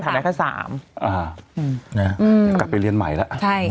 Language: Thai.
อ้าวอยากกลับไปเรียนใหม่ละ